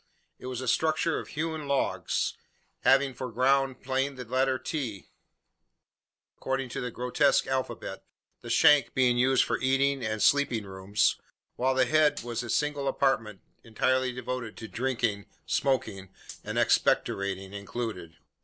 It was a structure of hewn logs, having for ground plan the letter T according to the grotesque alphabet the shank being used for eating and sleeping rooms, while the head was a single apartment entirely devoted to drinking smoking and expectorating included.